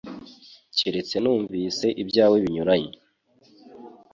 keretse numvise ibyawe binyuranye